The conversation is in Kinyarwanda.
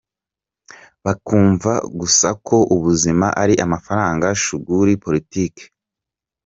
Bakumva gusa ko ubuzima ari amafaranga, shuguri, politike, etc.